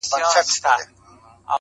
ماته کنزل وکــــه خو ياره په پښتو کې وکه